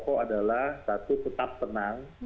pokok adalah satu tetap tenang